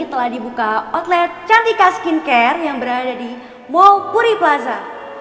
telah dibuka outlet cantika skincare yang berada di mall puri plaza